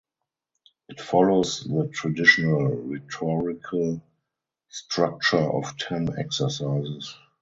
It follows the traditional rhetorical structure of ten exercises.